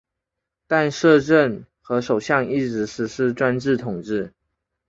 但摄政和首相一直施行专制统治。